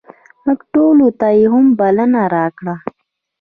موږ ټولو ته یې هم بلنه راکړه.